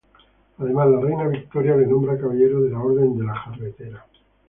Además la reina Victoria le nombra caballero de la Orden de la Jarretera.